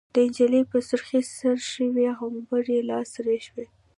د نجلۍ په سرخۍ سره شوي غومبري لاسره شول.